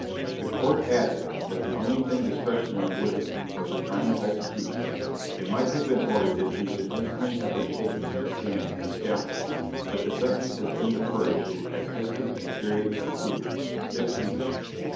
The Court added, that the only thing discretionary with it, was the time of execution; it might have ordered that you should instantly have been taken from the stand to the scaffold, but the sentence has been deferred to as distant a period as prudent six weeks.